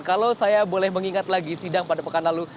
kalau saya boleh mengingat lagi sidang pada pekan lalu